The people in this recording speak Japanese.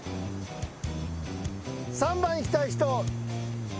３番いきたい人。